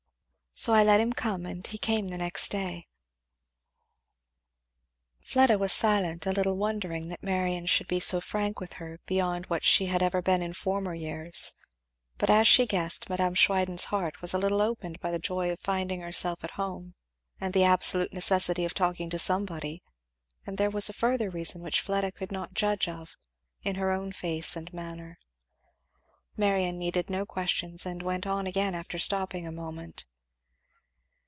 So I let him come, and he came the next day." Fleda was silent, a little wondering that Marion should be so frank with her, beyond what she had ever been in former years; but as she guessed, Mme. Schwiden's heart was a little opened by the joy of finding herself at home and the absolute necessity of talking to somebody; and there was a further reason which Fleda could not judge of, in her own face and manner. Marion needed no questions and went on again after stopping a moment.